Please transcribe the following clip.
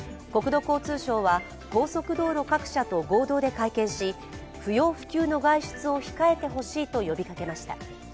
国土交通省は高速道路各社と合同で会見し、不要不急の外出を控えてほしいと呼びかけました。